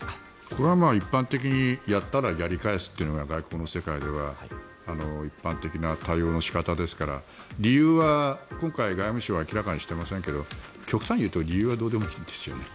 これは一般的にやったらやり返すというのが外交の世界では一般的な対応の仕方ですから理由は今回外務省は明らかにしてませんが極端に言うと理由はどうでもいいんですよね。